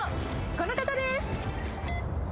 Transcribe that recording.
この方です。